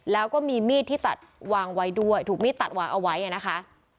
แล้วก็มีมีดที่ตัดวางไว้ด้วยถูกมีดตัดวางเอาไว้นะคะ